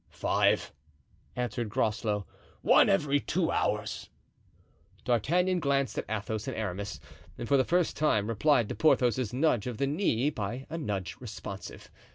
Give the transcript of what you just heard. "Five," answered Groslow, "one every two hours." D'Artagnan glanced at Athos and Aramis and for the first time replied to Porthos's nudge of the knee by a nudge responsive.